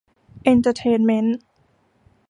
เอนเตอร์เทนเมนท์